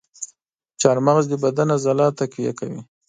چارمغز د بدن عضلات تقویه کوي.